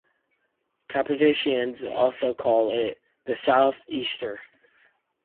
Capetonians also call it "the South-Easter".